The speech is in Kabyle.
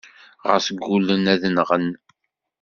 Ɣas gullen ad nɣen.